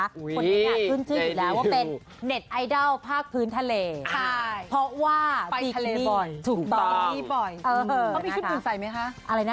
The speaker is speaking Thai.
คนนี้เนี่ยขึ้นได้อยู่แล้วนะ